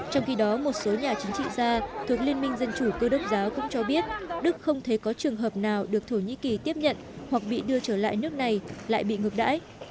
trong khi đó một số nhà chính trị gia thuộc liên minh dân chủ cơ đốc giáo cũng cho biết đức không thấy có trường hợp nào được thổ nhĩ kỳ tiếp nhận hoặc bị đưa trở lại nước này lại bị ngược đãi